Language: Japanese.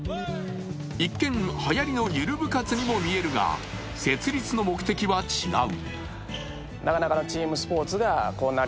一見、はやりのゆる部活にも見えるが設立の目的は違う。